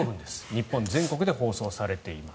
日本全国で放送されています。